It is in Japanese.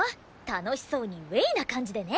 楽しそうにウェイな感じでね！